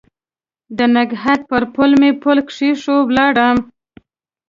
د نګهت پر پل مې پل کښېښوی ولاړم